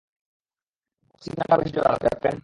ওর signal বেশ জোরালো, captain.